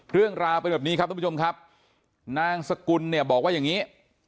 เรื่องราวเป็นแบบนี้ครับทุกผู้ชมครับนางสกุลเนี่ยบอกว่าอย่างนี้